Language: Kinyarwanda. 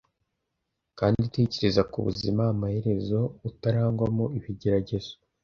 Kandi tekereza ku buzima amaherezo utarangwamo ibigeragezo